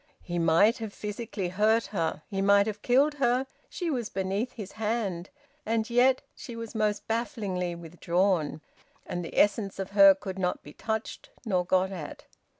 He might have physically hurt her, he might have killed her, she was beneath his hand and yet she was most bafflingly withdrawn, and the essence of her could not be touched nor got at.